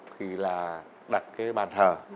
thì là đặt cái bàn thờ